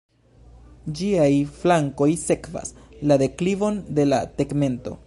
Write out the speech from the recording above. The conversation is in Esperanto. Ĝiaj flankoj sekvas la deklivon de la tegmento.